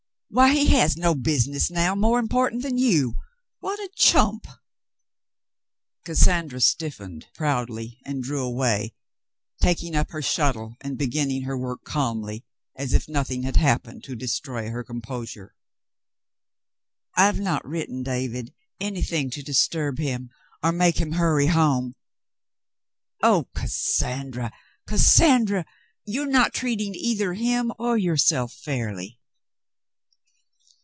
^Tiy, he has no business now more important than you ! What a chump !" Cassandra stiffened proudly and drew away, taking up her shuttle and beginning her work calmly as if nothing had happened to destroy her composure. "I've not written David — anything to disturb him — or make him hurry home." "Oh, Cassandra, Cassandra! You're not treating either him or yourself fairly."